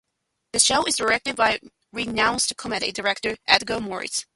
The show is directed by renowned comedy director Edgar Mortiz.